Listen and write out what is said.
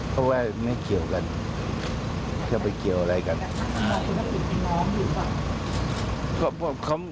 เพราะว่าไม่เกี่ยวกันจะไปเกี่ยวอะไรกัน